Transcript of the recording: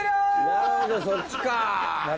なるほどそっちか！